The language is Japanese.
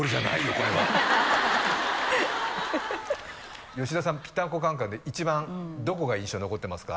これは吉田さん「ぴったんこカン・カン」で一番どこが印象に残ってますか？